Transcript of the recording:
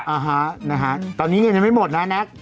อ่าฮะตอนนี้เนี่ยยังไม่หมดแล้วนะ